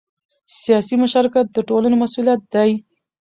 سیاسي مشارکت د ټولنې مسؤلیت دی